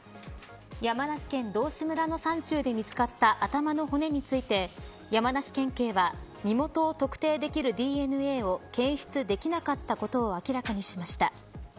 山梨県道志村の山中で見つかった頭の骨について山梨県警は身元を特定できるＤＮＡを検出できなかったことを明らかにしました。